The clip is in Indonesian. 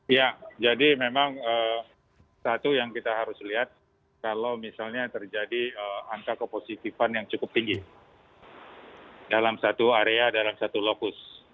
ya jadi memang satu yang kita harus lihat kalau misalnya terjadi angka kepositifan yang cukup tinggi dalam satu area dalam satu lokus